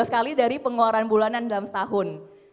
dua belas kali dari pengeluaran bulanan dalam setahun